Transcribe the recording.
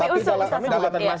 kami usung ustaz somad